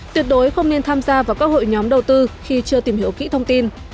tuyệt đối không nên tham gia vào các hội nhóm đầu tư khi chưa tìm hiểu kỹ thông tin